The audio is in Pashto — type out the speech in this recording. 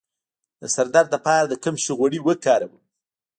د سر درد لپاره د کوم شي غوړي وکاروم؟